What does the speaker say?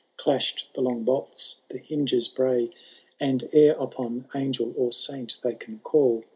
Clashed the long bolts, the hinges bray, And, ere upon angel or saint they can call.